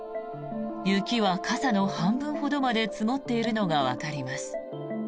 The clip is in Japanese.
雪は傘の半分ほどまで積もっているのがわかります。